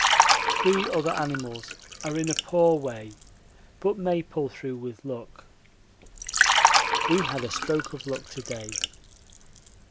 Three other animals are in a poor way, but may pull through with luck. We had a stroke of luck to day.